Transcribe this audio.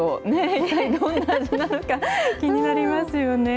一体どんな味なのか、気になりますよね。